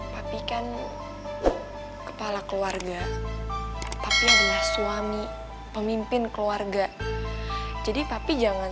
tapi kan kepala keluarga tapi adalah suami pemimpin keluarga jadi tapi jangan